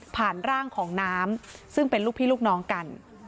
ร่างของน้ำซึ่งเป็นลูกพี่ลูกน้องกัน